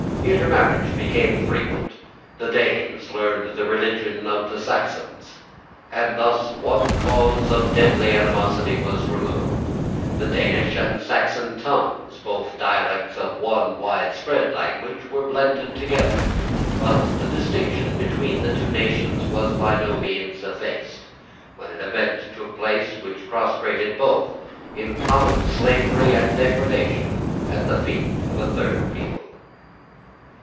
Intermarriage became frequent. The Danes learned the religion of the Saxons; and thus one cause of deadly animosity was removed. The Danish and Saxon tongues, both dialects of one widespread language, were blended together. But the distinction between the two nations was by no means effaced, when an event took place which prostrated both, in common slavery and degradation, at the feet of a third people.